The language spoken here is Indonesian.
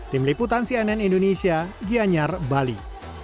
tim liputan cnn indonesia gianyar bali